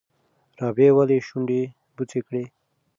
رابعې ولې شونډه بوڅه کړه؟